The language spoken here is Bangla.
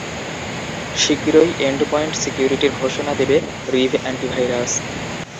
শিগগিরই এন্ড পয়েন্ট সিকিউরিটির ঘোষণা দেবে রিভ অ্যান্টিভাইরাস।